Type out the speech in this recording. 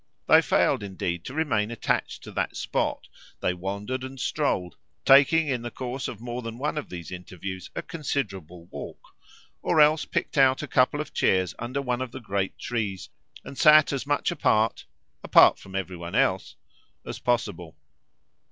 They failed indeed to remain attached to that spot; they wandered and strolled, taking in the course of more than one of these interviews a considerable walk, or else picked out a couple of chairs under one of the great trees and sat as much apart apart from every one else as possible.